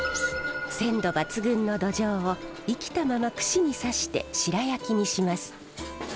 鮮度抜群のドジョウを生きたまま串に刺して白焼きにします。